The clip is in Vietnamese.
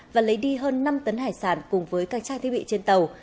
và lấy đi hơn năm tấn hải sản cùng với các trang thiết bị trên tàu